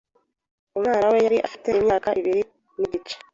Umwana we yari afite imyaka ibiri n’igice